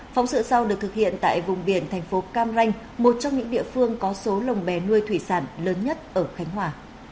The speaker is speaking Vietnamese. phóng sự sau được thực hiện tại vùng biển thành phố cam ranh một trong những địa phương có số lồng bè nuôi thủy sản lớn nhất ở khánh hòa